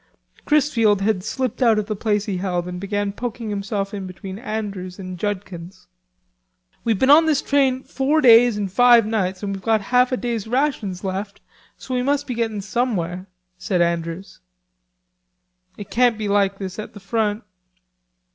Chrisfield had slipped out of the place he held and began poking himself in between Andrews and Judkins. "We've been on this train four days and five nights, an' we've got half a day's rations left, so we must be getting somewhere," said Andrews. "It can't be like this at the front."